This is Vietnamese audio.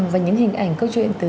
và những hình ảnh câu chuyện từ